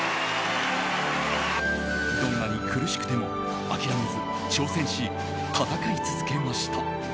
どんなに苦しくても諦めず、挑戦し戦い続けました。